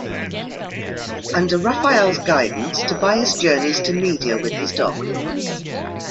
Under Raphael's guidance, Tobias journeys to Media with his dog.